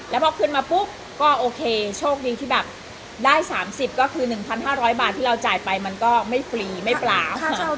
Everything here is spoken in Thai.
แล้วพอขึ้นมาปุ๊บก็โอเคโชคดีที่แบบได้๓๐ก็คือ๑๕๐๐บาทที่เราจ่ายไปมันก็ไม่ฟรีไม่เปล่า